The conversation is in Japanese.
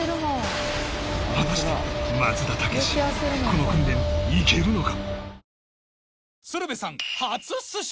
果たして松田丈志この訓練いけるのか！？